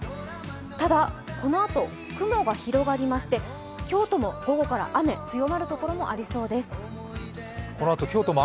ただ、このあと雲が広がりまして京都も午後から雨、強まる所もありそうです。